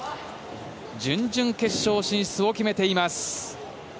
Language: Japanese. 準々決勝進出を決めています。